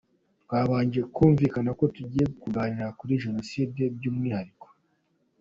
Twabanje kumvikana ko tugiye kuganira kuri Jenoside by’umwihariko.